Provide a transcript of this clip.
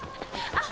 あっ！！